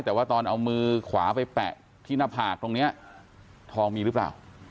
แต่ว่าตอนเอามือขวาไปแปะที่หน้าผากตรงนี้ทองมีหรือเปล่า